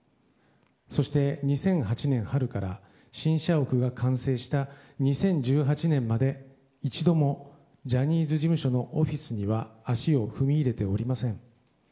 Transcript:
そして、２００８年春から新社屋が完成した２０１８年まで一度も、ジャニーズ事務所のオフィスには足を踏み入れておりません。